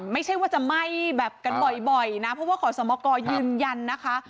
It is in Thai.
ไม่ใช่ว่าจะไหม้แบบกันบ่อยนะเพราะว่าขอสมกรยืนยันนะคะ